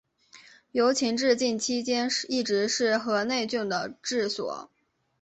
由秦至晋期间一直是河内郡的治所。